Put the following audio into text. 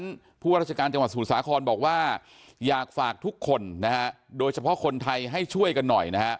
ผู้ว่าราชการจังหวัดสมุทรสาครบอกว่าอยากฝากทุกคนนะฮะโดยเฉพาะคนไทยให้ช่วยกันหน่อยนะฮะ